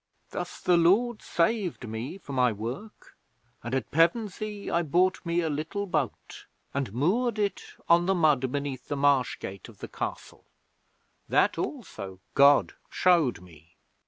Thus the Lord saved me for my work, and at Pevensey I bought me a little boat and moored it on the mud beneath the Marsh gate of the Castle. That also God showed me.'